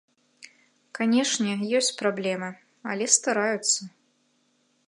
Канешне, ёсць праблемы, але стараюцца.